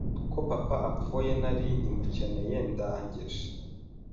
ko papa apfuye nari nkimukeneye ndangije